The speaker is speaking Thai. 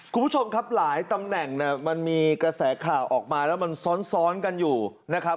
คุณผู้ชมครับหลายตำแหน่งมันมีกระแสข่าวออกมาแล้วมันซ้อนกันอยู่นะครับ